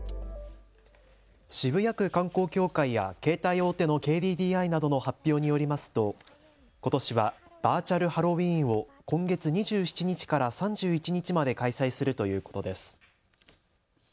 渋谷区観光協会や携帯大手のＫＤＤＩなどの発表によりますと、ことしはバーチャルハロウィーンを今月２７日から３１日まで開催するということです。